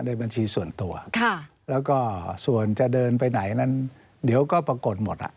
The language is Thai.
บัญชีส่วนตัวแล้วก็ส่วนจะเดินไปไหนนั้นเดี๋ยวก็ปรากฏหมดอ่ะ